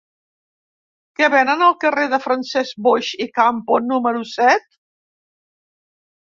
Què venen al carrer de Francesc Boix i Campo número set?